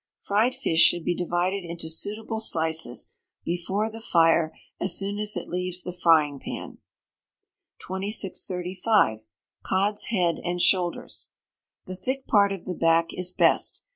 Fried fish should be divided into suitable slices, before the fire, as soon as it leaves the frying pan. 2635. Cod's Head and Shoulders. The thick part of the back is best.